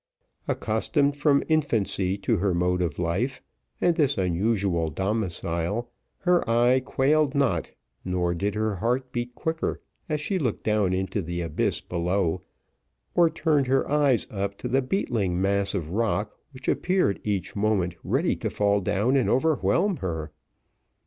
Accustomed from infancy to her mode of life, and this unusual domicile, her eye quailed not, nor did her heart beat quicker, as she looked down into the abyss below, or turned her eyes up to the beetling mass of rock which appeared, each moment, ready to fall down and overwhelm her.